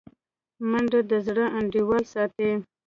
منډه د زړه انډول ساتي